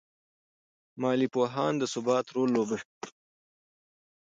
مالي پوهان د ثبات رول لوبوي.